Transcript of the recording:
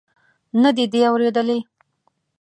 نه دې دي اورېدلي.